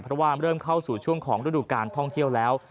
เพราะว่าเริ่มเข้าสู่ช่วงของฤดูการท่องเที่ยวแล้ว